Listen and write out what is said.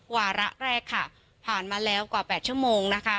วาระแรกค่ะผ่านมาแล้วกว่า๘ชั่วโมงนะคะ